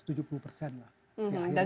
dan jumlah mahasiswa post grad